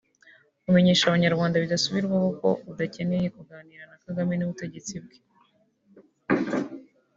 Kumenyesha abanyarwanda bidasubirwaho ko udakeneye kuganira na Kagame n’ubutegetsi bwe